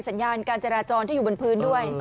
สัญญาณการจราจรที่อยู่บนพื้นด้วย